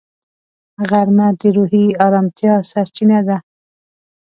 غرمه د روحي ارامتیا سرچینه ده